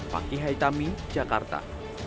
paki haitami jakarta